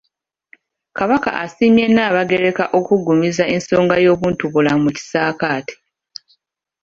Kabaka asiimye Nnaabagereka okuggumiza ensonga y'obuntubulamu mu kisaakaate.